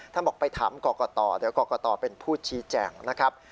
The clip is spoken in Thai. บอกไปถามกรกตเดี๋ยวกรกตเป็นผู้ชี้แจงนะครับ